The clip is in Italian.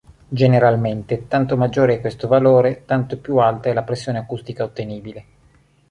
Generalmente, tanto maggiore è questo valore, tanto più alta è la pressione acustica ottenibile.